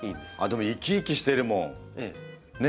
でも生き生きしてるもんねえ